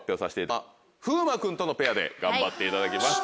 松下さんは風磨君とのペアで頑張っていただきます。